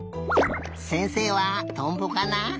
せんせいはトンボかな？